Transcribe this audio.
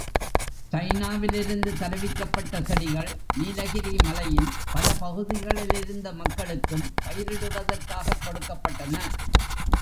சைனாவிலிருந்து தருவிக்கப்பட்ட செடிகள் நீலகிரி மலையின் பல பகுதியிலிருந்த மக்களுக்கும் பயிரிடுவதற்காகக் கொடுக்கப்பட்டன.